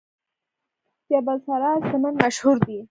جبل السراج سمنټ مشهور دي؟